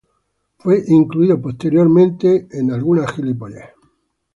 Fue incluido posteriormente en el Basketball Hall of Fame.